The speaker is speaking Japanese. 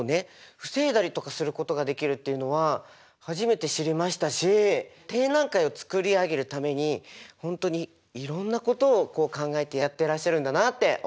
防いだりとかすることができるっていうのは初めて知りましたし展覧会を作り上げるために本当にいろんなことを考えてやってらっしゃるんだなって思いました。